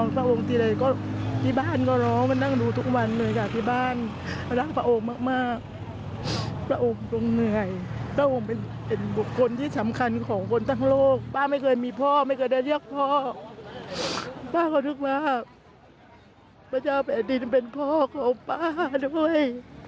ประอุงตรงเหนื่อยเป็นบุคคลที่สำคัญของคนทั้งโลกป้าไม่เคยมีพ่อไม่เคยได้เรียกพ่อป้าขอทุกมาบประชาแผนดินเป็นพ่อของป้าด้วย